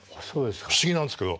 不思議なんですけど。